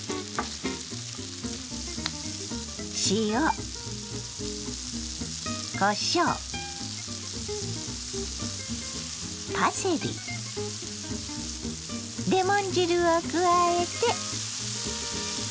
塩こしょうパセリレモン汁を加えて。